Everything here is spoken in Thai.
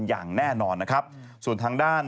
อย่างแน่นอนนะครับส่วนทางด้าน